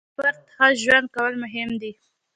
د هر فرد ښه ژوند کول مهم دي.